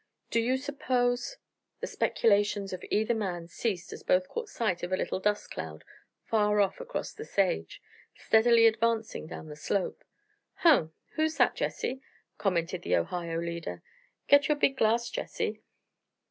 Do you suppose " The speculations of either man ceased as both caught sight of a little dust cloud far off across the sage, steadily advancing down the slope. "Hum! And who's that, Jesse?" commented the Ohio leader. "Get your big glass, Jesse."